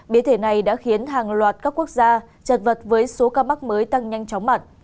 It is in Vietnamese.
biến thể này đã khiến hàng loạt các quốc gia chật vật với số ca mắc mới tăng nhanh chóng mặt